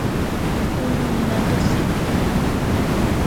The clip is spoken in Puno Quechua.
Unu ninata sipin.